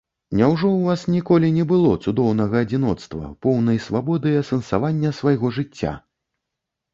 Няўжо ў вас ніколі не было цудоўнага адзіноцтва, поўнай свабоды і асэнсавання свайго жыцця?